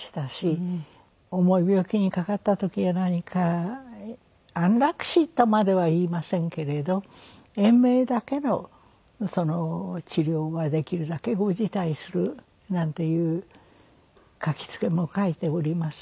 重い病気にかかった時や何か安楽死とまでは言いませんけれど「延命だけの治療はできるだけご辞退する」なんていう書き付けも書いておりますし。